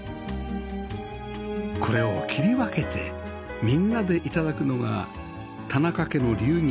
これを切り分けてみんなで頂くのが田中家の流儀